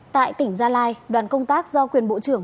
tại tỉnh gia lai đoàn công tác do quyền bộ trưởng